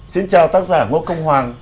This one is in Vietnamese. xin chào tác giả ngo công hoàng